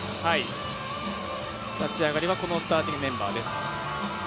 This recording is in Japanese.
立ち上がりは、このスターティングメンバーです。